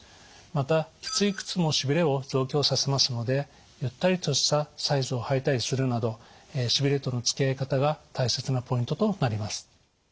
またきつい靴もしびれを増強させますのでゆったりとしたサイズを履いたりするなどしびれとのつきあい方が大切なポイントとなります。